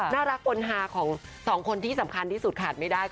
น่ารักปนหาถึงคือ๒คนสำคัญที่สุดหยากไม่ได้